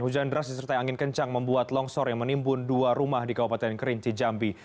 hujan deras disertai angin kencang membuat longsor yang menimbun dua rumah di kabupaten kerinci jambi